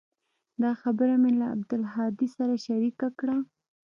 دا خبره مې له عبدالهادي سره شريکه کړه.